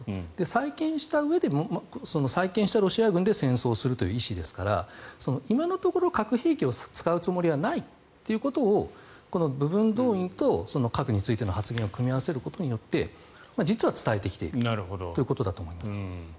再建したうえで再建したロシア軍で戦争をするという意思ですから今のところ核兵器を使うつもりはないということをこの部分動員と核についての発言を組み合わせることによって実は伝えてきているということだと思います。